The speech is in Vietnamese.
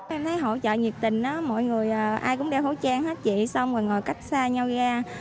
em thấy hỗ trợ nhiệt tình mọi người ai cũng đeo khẩu trang hết chị xong rồi cách xa nhau ga